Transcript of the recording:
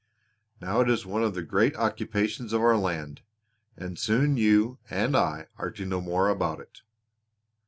Now it is one of the great occupations of our land, and soon you and I are to know more about it."